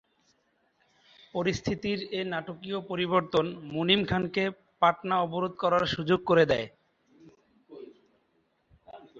পরিস্থিতির এ নাটকীয় পরিবর্তন মুনিম খানকে পাটনা অবরোধ করার সুযোগ করে দেয়।